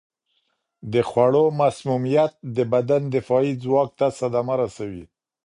د خوړو مسمومیت د بدن دفاعي ځواک ته صدمه رسوي.